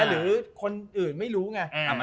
หรือคนอื่นไม่รู้ไง